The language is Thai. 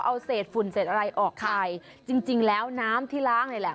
เอาเสธฝุ่นเสธอะไรออกไทยจริงแล้วน้ำที่ล้างนี่แหละ